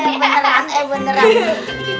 eh beneran eh beneran